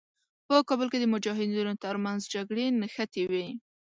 په کابل کې د مجاهدینو تر منځ جګړې نښتې وې.